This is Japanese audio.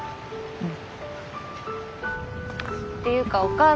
うん。